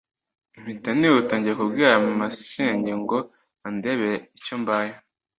mpita nihuta njya kubwira masenge ngo andebere icyo mbaye